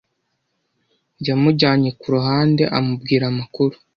Yamujyanye ku ruhande amubwira amakuru.